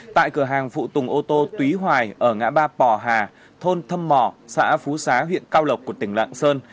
tại cửa hàng phụ tùng ô tôý hoài ở ngã ba bò hà thôn thâm mò xã phú xá huyện cao lộc của tỉnh lạng sơn